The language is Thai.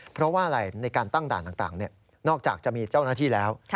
เพราะว่าอะไรในการตั้งด่านต่างนอกจากจะมีเจ้าหน้าที่แล้ว